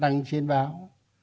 đăng trên báo